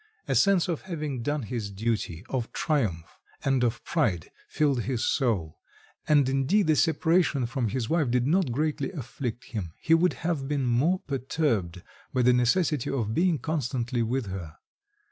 A sense of having done his duty, of triumph, and of pride filled his soul; and indeed the separation from his wife did not greatly afflict him; he would have been more perturbed by the necessity of being constantly with her.